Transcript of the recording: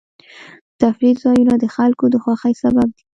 د تفریح ځایونه د خلکو د خوښۍ سبب دي.